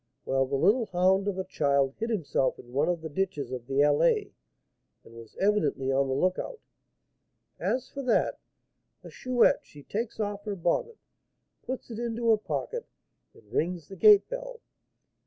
Well, the little hound of a child hid himself in one of the ditches of the Allée, and was evidently on the lookout. As for that , the Chouette, she takes off her bonnet, puts it into her pocket, and rings the gate bell.